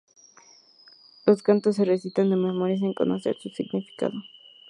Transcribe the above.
Los cantos se recitan de memoria, sin conocer su significado.